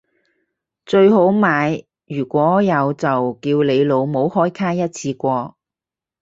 最好買如果有就叫你老母開卡一次過